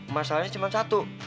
masalahnya cuma satu